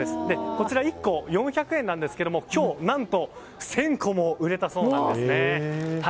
こちら、１個４００円なんですが今日、何と１０００個も売れたそうなんですね。